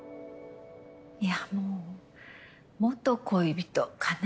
いやもう元恋人かな？